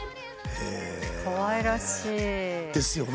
かわいらしい。ですよね。